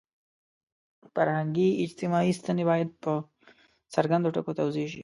فرهنګي – اجتماعي ستنې باید په څرګندو ټکو توضیح شي.